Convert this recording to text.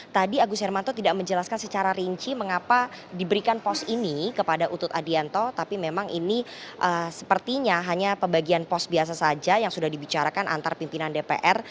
tadi agus hermanto tidak menjelaskan secara rinci mengapa diberikan pos ini kepada utut adianto tapi memang ini sepertinya hanya pembagian pos biasa saja yang sudah dibicarakan antar pimpinan dpr